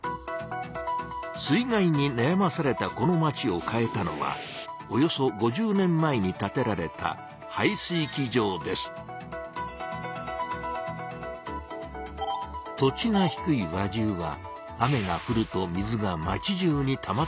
水害になやまされたこの町を変えたのはおよそ５０年前に建てられた土地が低い輪中は雨がふると水が町じゅうにたまってしまいます。